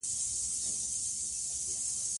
حزب اسلامي ورځپاڼه "شهادت" درلوده.